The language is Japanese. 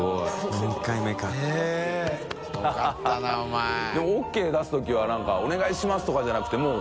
任ＯＫ出すときはなんか「お願いします」とかじゃなくて發λ